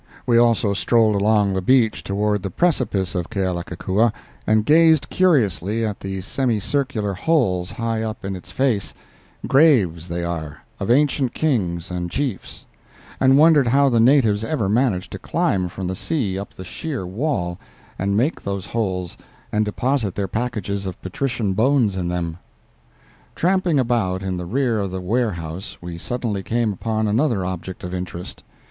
We also strolled along the beach toward the precipice of Kealakelikua and gazed curiously at the semicircular holes high up in its face—graves, they are, of ancient kings and chiefs—and wondered how the natives ever managed to climb from the sea up the sheer wall and make those holes and deposit their packages of patrician bones in them. Tramping about in the rear of the warehouse, we suddenly came upon another object of interest.